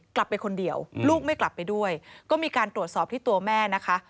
กลับไปคนเดียวลูกไม่กลับไปด้วยก็มีการตรวจสอบที่ตัวแม่นะคะ